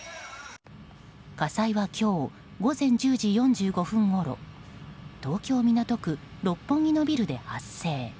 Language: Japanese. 火災は今日午前１０時４５分ごろ東京・港区六本木のビルで発生。